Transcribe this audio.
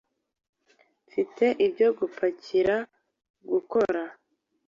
Mfite ibyo gupakira gukora.